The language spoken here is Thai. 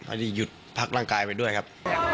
อันนี้หยุดพักร่างกายไปด้วยครับ